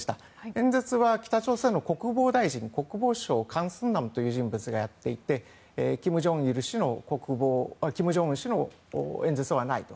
演説は北朝鮮の国防大臣カン・スンナムという人物がやっていて金正恩氏の演説はないと。